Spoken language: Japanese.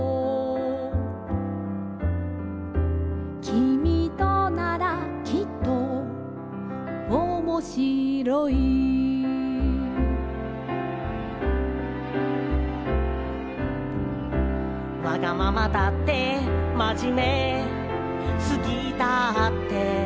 「君とならきっとおもしろい」「わがままだってまじめすぎだって」